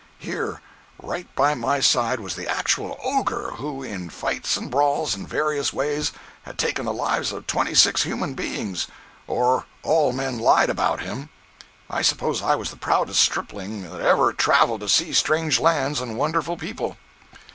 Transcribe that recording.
Here, right by my side, was the actual ogre who, in fights and brawls and various ways, had taken the lives of twenty six human beings, or all men lied about him! I suppose I was the proudest stripling that ever traveled to see strange lands and wonderful people.